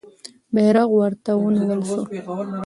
بیرغ ورته ونیول سو.